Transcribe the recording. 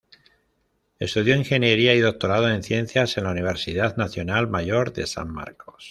Estudió ingeniería y doctorado en Ciencias en la Universidad Nacional Mayor de San Marcos.